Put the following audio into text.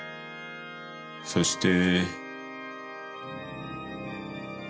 そして。